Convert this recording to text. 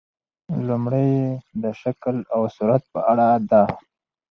لومړۍ یې د شکل او صورت په اړه ده.